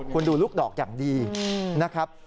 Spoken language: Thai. คุณดูลูกดอกอย่างดีนะครับ